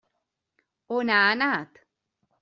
On ha anat?